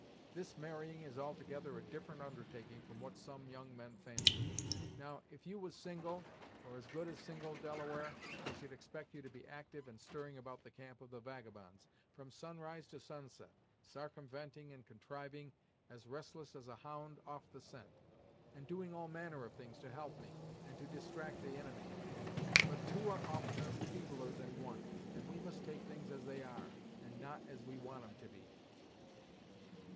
This marrying is altogether a different undertaking from what some young men fancy. Now, if you was single, or as good as single, Delaware, I should expect you to be actyve and stirring about the camp of the vagabonds, from sunrise to sunset, sarcumventing and contriving, as restless as a hound off the scent, and doing all manner of things to help me, and to distract the inimy, but two are oftener feebler than one, and we must take things as they are, and not as we want 'em to be."